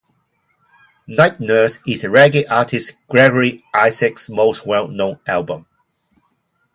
"Night Nurse" is reggae artist Gregory Isaacs' most well-known album.